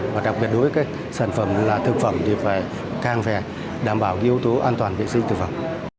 và đặc biệt đối với sản phẩm là thực phẩm thì phải càng phải đảm bảo yếu tố an toàn vệ sinh thực phẩm